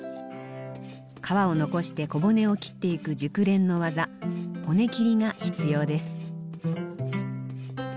皮を残して小骨を切っていく熟練の技骨切りが必要です。